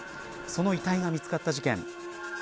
その遺体が見つかった事件。